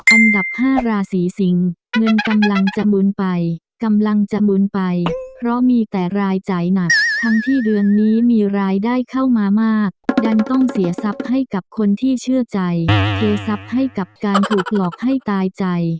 อันดับ๕ราศีสิงเงินกำลังจะบุญไปกำลังจะบุญไปเพราะมีแต่รายจ่ายหนักทั้งที่เดือนนี้มีรายได้เข้ามามากดันต้องเสียทรัพย์ให้กับคนที่เชื่อใจเทศให้กับการถูกหลอกให้ตายใจ